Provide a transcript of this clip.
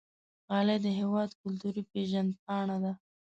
غالۍ د هېواد کلتوري پیژند پاڼه ده.